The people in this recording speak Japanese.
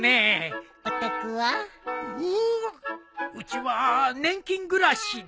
うっうちは年金暮らしで。